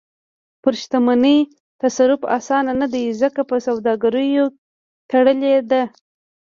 پر شتمنۍ تصرف اسانه نه دی، ځکه په سوداګریو تړلې ده.